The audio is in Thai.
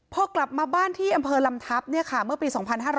พอกลับมาบ้านที่อำเภอลำทัพเมื่อปี๒๕๕๙